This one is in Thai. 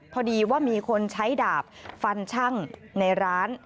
พอดีว่ามีคนใช้ดาบฟันช่างในร้าน